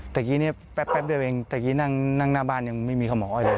เตะกี้เนี้ยแป๊บแป๊บเดี๋ยวเองเตะกี้นั่งนั่งหน้าบ้านยังไม่มีข้าวหมอเลย